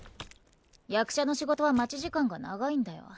役者の仕事は待ち時間が長いんだよ。